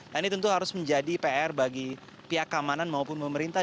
dan ini tentu harus menjadi pr bagi pihak keamanan maupun pemerintah